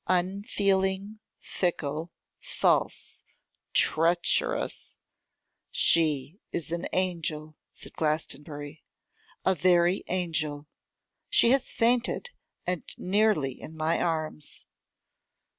'Unfeeling, fickle, false, treacherous ' 'She is an angel,' said Glastonbury, 'a very angel. She has fainted, and nearly in my arms.